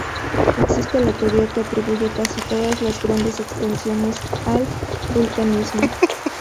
Existe la teoría que atribuye casi todas las grandes extinciones al vulcanismo.